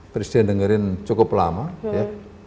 presiden dengerin cukup lama ya